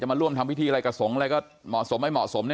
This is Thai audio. มาร่วมทำพิธีอะไรกับสงฆ์อะไรก็เหมาะสมไม่เหมาะสม